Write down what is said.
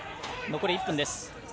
残り１分です。